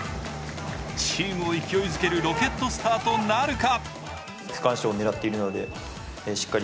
チームを勢いづけるロケットスタートなるか？